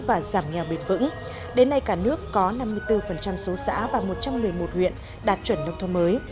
và giảm nghèo bền vững đến nay cả nước có năm mươi bốn số xã và một trăm một mươi một huyện đạt chuẩn nông thôn mới